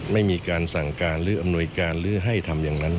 ไม่มีการสั่งการหรืออำนวยการหรือให้ทำอย่างนั้น